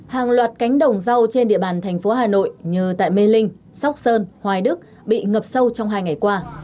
hàng loạt cánh đồng rau trên địa bàn thành phố hà nội như tại mê linh sóc sơn hoài đức bị ngập sâu trong hai ngày qua